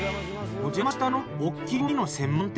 おじゃましたのはおっきりこみの専門店。